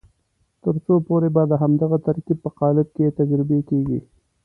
تر څو پورې به د همدغه ترکیب په قالب کې تجربې کېږي.